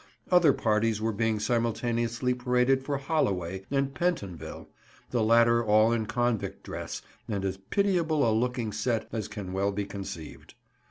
Other parties were being simultaneously paraded for Holloway and Pentonville, the latter all in convict dress and as pitiable a looking set as can well be conceived.